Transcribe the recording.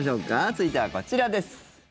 続いてはこちらです。